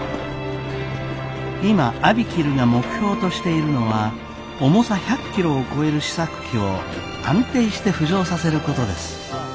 今ＡＢＩＫＩＬＵが目標としているのは重さ１００キロを超える試作機を安定して浮上させることです。